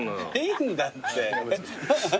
いいんだって。